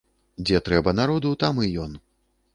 Дзе трэба народу, там і ён.